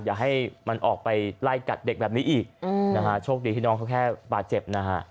อย่าให้มันออกไปไล่กัดเด็กแบบนี้อีกนะฮะโชคดีที่น้องเขาแค่บาดเจ็บนะฮะ